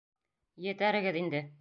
Етәрегеҙ инде!